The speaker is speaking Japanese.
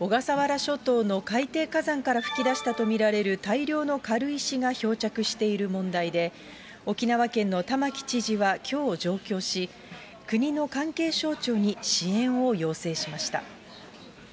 小笠原諸島の海底火山から噴き出したと見られる大量の軽石が漂着している問題で、沖縄県の玉城知事はきょう上京し、国の関係省庁に支援を要請しました。